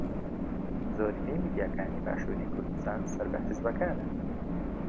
زۆرینەی میدیاکانی باشووری کوردستان سەر بە حیزبەکانن.